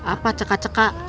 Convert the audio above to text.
apa cekak cekak